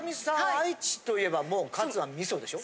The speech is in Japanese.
愛知といえばかつは味噌でしょ？